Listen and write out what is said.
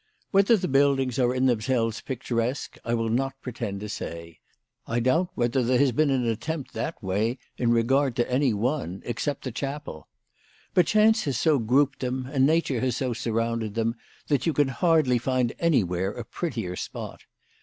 Whether the buildings are in themselves picturesque I will not pretend to say. I doubt whether there has been an attempt that way in regard to any one except the chapel. But chance has so grouped them, and nature has so surrounded them, that you can hardly find anywhere a prettier spot.